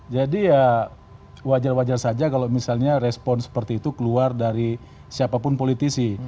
jadi ya wajar wajar saja kalau misalnya respon seperti itu keluar dari siapapun politisi